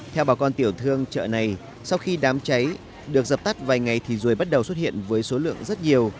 theo bà con tiểu thương chợ này sau khi đám cháy được dập tắt vài ngày thì ruồi bắt đầu xuất hiện với số lượng rất nhiều